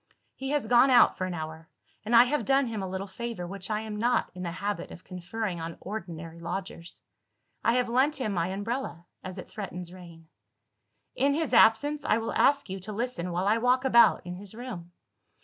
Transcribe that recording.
He has gone out for an hour; and I have done him a little favour which I am not in the habit of conferring on ordinary lodgers I have lent him my umbrella, as it threatens rain. In his absence, I will ask you to listen while I walk about in his room.